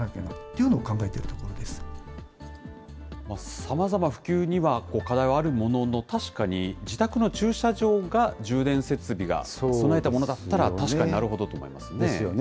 さまざま普及には課題はあるものの、確かに自宅の駐車場が充電設備が備えたものだったら、確かになるですよね。